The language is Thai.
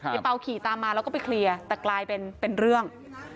เปล่าขี่ตามมาแล้วก็ไปเคลียร์แต่กลายเป็นเรื่อง